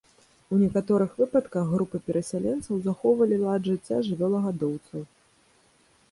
У некаторых выпадках групы перасяленцаў захоўвалі лад жыцця жывёлагадоўцаў.